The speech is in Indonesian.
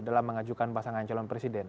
dalam mengajukan pasangan calon presiden